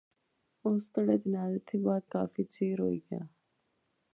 اس تہاڑے جنازے تھی بعد کافی چیر ہوئی گیا